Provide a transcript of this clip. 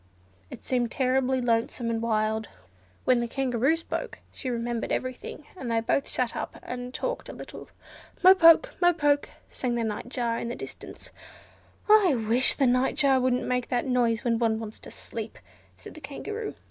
It seemed terribly lonesome and wild. When the Kangaroo spoke she remembered every thing, and they both sat up and talked a little. "Mo poke! mo poke!" sang the Nightjar in the distance. "I wish the Nightjar wouldn't make that noise when one wants to sleep," said the Kangaroo.